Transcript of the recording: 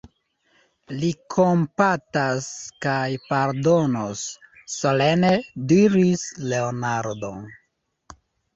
Li kompatas kaj pardonos, solene diris Leonardo.